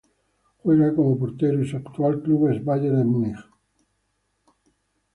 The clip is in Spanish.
Juega como portero y su actual club es Bayern de Múnich.